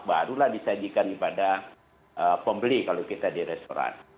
barulah disajikan kepada pembeli kalau kita di restoran